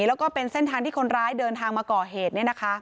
แล้วก็เป็นเส้นทางที่คนร้ายเดินทางมาก่อเหตุ